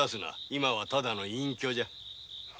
今はタダの隠居じゃ。